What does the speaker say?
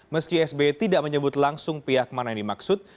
meski sby tidak menyebut langsung pihak mana ini maksud